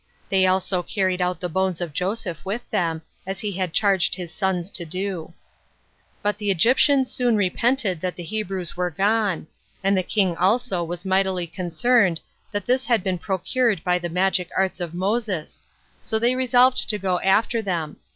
They also carried out the bones of Joesph with them, as he had charged his sons to do. 3. But the Egyptians soon repented that the Hebrews were gone; and the king also was mightily concerned that this had been procured by the magic arts of Moses; so they resolved to go after them.